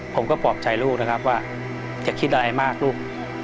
ปลอบใจลูกนะครับว่าจะคิดอะไรมากลูก